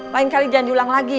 lain kali jangan diulang lagi ya